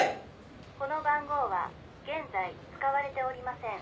「この番号は現在使われておりません」